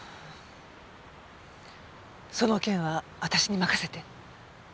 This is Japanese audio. その件は私に任せて。